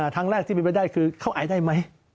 ทางแรกที่เป็นไปได้คือเขาอายได้ไหม